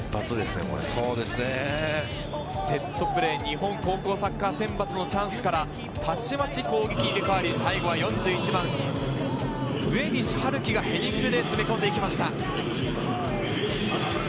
セットプレー、日本高校サッカー選抜のチャンスから、たちまち攻撃入れ替わり、最後は４１番・上西遥喜がヘディングで詰めていきました。